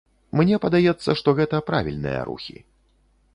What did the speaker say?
Мне падаецца, што гэта правільныя рухі.